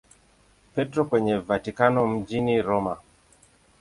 Petro kwenye Vatikano mjini Roma.